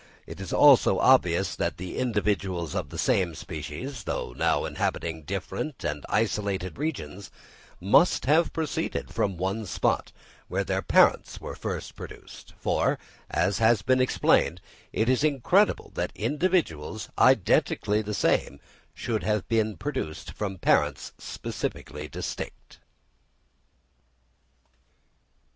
It is also obvious that the individuals of the same species, though now inhabiting distant and isolated regions, must have proceeded from one spot, where their parents were first produced: for, as has been explained, it is incredible that individuals identically the same should have been produced from parents specifically distinct.